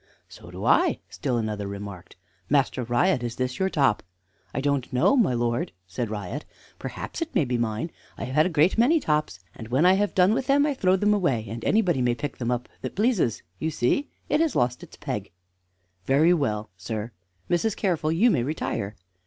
"So do I," still another remarked. "Master Riot, is this your top?" "I don't know, my lord," said Riot; "perhaps it may be mine. I have had a great many tops, and when I have done with them I throw them away, and any body may pick them up that pleases. You see, it has lost its peg." "Very well, sir. Mrs. Careful, you may retire."